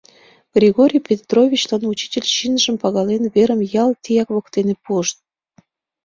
Григорий Петровичлан учитель чинжым пагален, верым ял тияк воктене пуышт.